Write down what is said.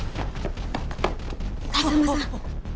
風真さん。